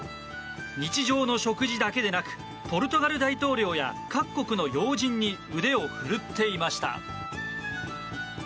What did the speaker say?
日常の食事だけでなくポルトガル大統領や各国の要人に腕を振るっていました。